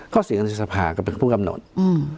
ก็ศิลป์กันที่สภาก็เป็นผู้กำหนดอืม